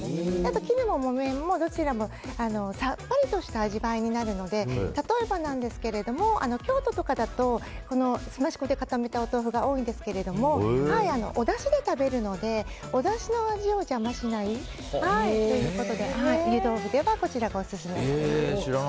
絹も木綿もさっぱりとした味わいになるので例えばなんですけども京都とかだとすまし粉で固めたお豆腐が多いんですけどもおだしで食べるのでおだしの味を邪魔しないということで湯豆腐ではこちらがオススメになります。